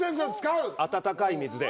温かい水で？